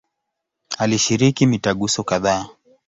Alishiriki mitaguso kadhaa.